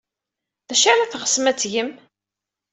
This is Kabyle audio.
D acu ara teɣsem ad t-tgem?